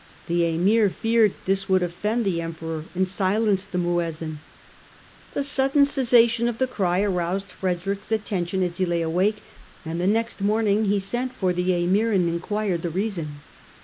" The Emir feared this would offend the Emperor, and silenced the Muezzin. The sudden ioo STUPOR MUNDI cessation of the cry aroused Frederick's attention as he lay awake, and the next morning he sent for the Emir and enquired the reason.